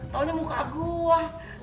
tahunya muka gua